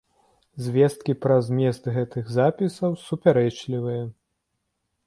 Звесткі пра змест гэтых запісаў супярэчлівыя.